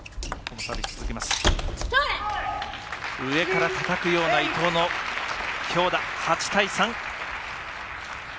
上からたたくような伊藤の強打。